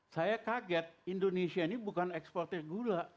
saya kaget indonesia ini bukan ekspornya gula